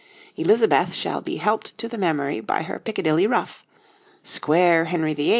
Elizabeth shall be helped to the memory by her Piccadilly ruff; square Henry VIII.